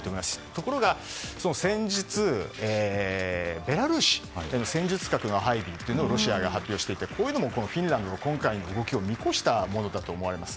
ところが、先日ベラルーシが戦術核の配備をロシアが発表していてこういうのもフィンランドが今回の動きを見越したものだと思われます。